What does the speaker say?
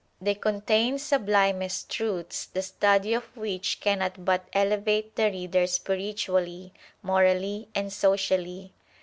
They contain sublimest truths, the study of which cannot but elevate the reader spiritually, morally, and socially.